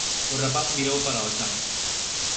O rapaz mirou para o chan.